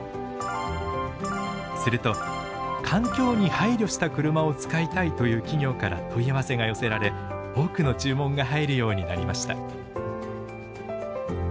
すると環境に配慮した車を使いたいという企業から問い合わせが寄せられ多くの注文が入るようになりました。